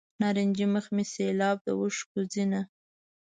نارنجي مخ مې سیلاب د اوښکو ځینه.